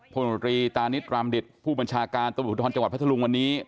พลมตรีตานิดรามดิตผู้บัญชาการตมปุทธรจังหวัดพระทะลุงวันนี้